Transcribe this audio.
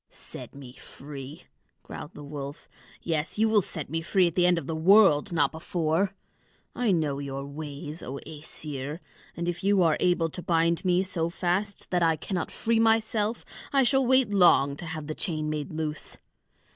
"Set me free!" growled the wolf. "Yes, you will set me free at the end of the world, not before! I know your ways, O Æsir; and if you are able to bind me so fast that I cannot free myself, I shall wait long to have the chain made loose.